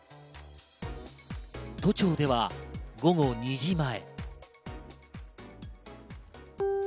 都庁では午後２時前。